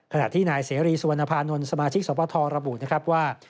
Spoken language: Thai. ขณะที่นายเสรีสุวรรณภานนท์สมาชิกสวทรระบุนะครับว่า